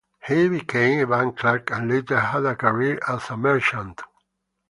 He became a bank clerk and later had a career as a merchant.